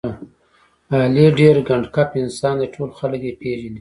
علي ډېر ګنډ کپ انسان دی، ټول خلک یې پېژني.